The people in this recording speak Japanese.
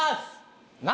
何？